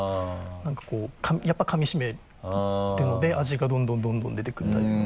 なんかこうやっぱりかみしめるので味がどんどんどんどん出てくるタイプの。